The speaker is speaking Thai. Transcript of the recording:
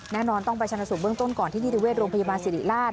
แน่นอนต้องไปชนะสูตรเบื้องต้นก่อนที่นิติเวชโรงพยาบาลสิริราช